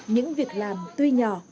những việc làm tuy nhỏ